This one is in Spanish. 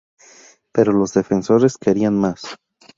Pero los defensores querían más.